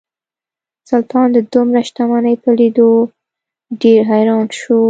سلطان د دومره شتمنۍ په لیدو ډیر حیران شو.